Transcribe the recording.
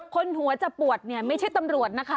คนหัวจะปวดเนี่ยไม่ใช่ตำรวจนะคะ